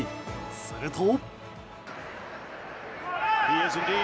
すると。